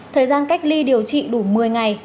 thời gian cách ly điều trị đủ một mươi ngày